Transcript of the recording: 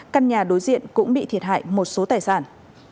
căn nhà đối diện cũng bị thiệt hại một số tài sản